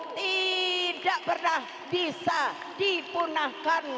tidak pernah bisa dipunahkan